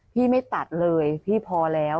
ไม่ตัดเลยพี่พอแล้ว